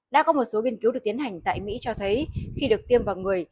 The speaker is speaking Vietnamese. đã có một số nghiên cứu được tiến hành tại mỹ cho thấy khi được tiêm vào người